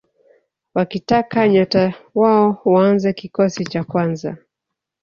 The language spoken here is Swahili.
wakitaka nyota wao waanze kikosi cha kwanza